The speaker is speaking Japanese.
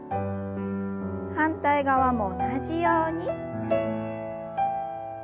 反対側も同じように。